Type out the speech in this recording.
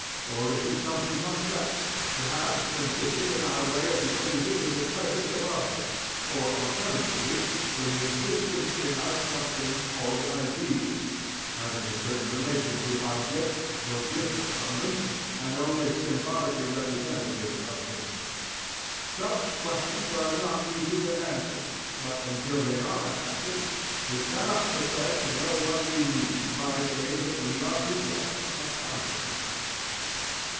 Or is it something complex, perhaps consisting in our way of behaving in the presence of objects, or, alternatively, in the existence in us of things called "ideas," having a certain relation to objects, though different from them, and only symbolically representative of them? Such questions are not easy to answer; but until they are answered we cannot profess to know what we mean by saying that we are possessed of "consciousness."